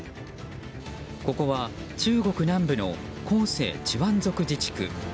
ここは中国南部の広西チワン族自治区。